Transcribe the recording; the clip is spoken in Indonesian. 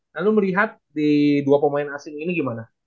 nah lu melihat di dua pemain asing ini gimana